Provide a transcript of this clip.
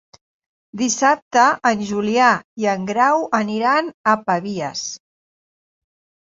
Dissabte en Julià i en Grau aniran a Pavies.